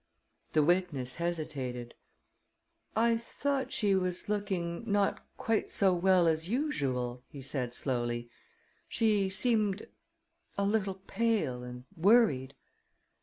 The witness hesitated. "I thought she was looking not quite so well as usual," he said slowly. "She seemed a little pale and worried."